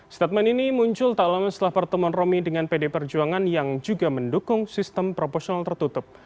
statement ini muncul tak lama setelah pertemuan romi dengan pd perjuangan yang juga mendukung sistem proporsional tertutup